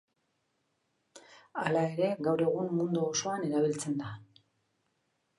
Hala ere, gaur egun mundu osoan erabiltzen da.